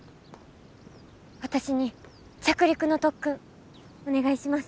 私に着陸の特訓お願いします。